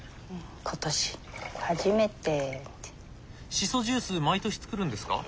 しそジュース毎年作るんですか？